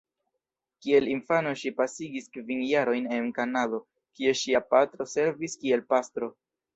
Kiel infano ŝi pasigis kvin jarojn en Kanado, kie ŝia patro servis kiel pastro.